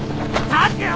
立てよ！